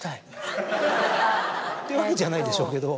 ってわけじゃないでしょうけど。